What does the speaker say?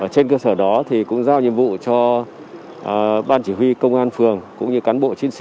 trên cơ sở đó thì cũng giao nhiệm vụ cho ban chỉ huy công an phường cũng như cán bộ chiến sĩ